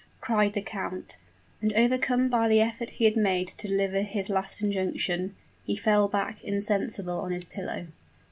cried the count; and overcome by the effort he had made to deliver his last injunction, he fell back insensible on his pillow.